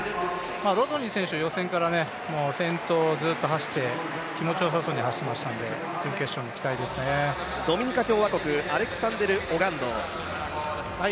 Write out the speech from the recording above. ロドニー選手、予選から先頭をずっと走って、気持ちよさそうに走っていましたのでドミニカ共和国、アレクサンデル・オガンド。